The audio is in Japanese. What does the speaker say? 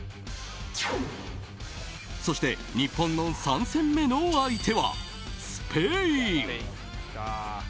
そして、日本の３戦目の相手はスペイン。